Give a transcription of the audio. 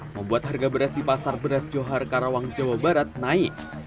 membuat harga beras di pasar beras johar karawang jawa barat naik